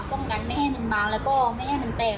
ป้องกันไม่ให้เขาล้างและก็ไม่ให้เขาเตก